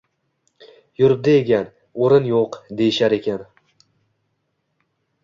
yuribdi ekan. O’rin yo‘q, deyishar ekan.